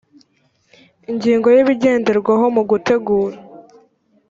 ingingo ya ibigenderwaho mu gutegura